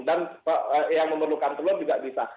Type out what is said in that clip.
dan yang memerlukan telur juga bisa